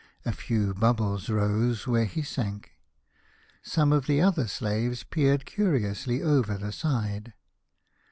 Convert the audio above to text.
A few bubbles rose where he sank. Some of the other slaves peered curiously over the side.